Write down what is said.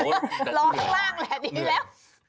รอข้างล่างแหละดีแล้ว